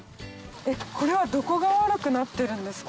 これはどこが悪くなってるんですか？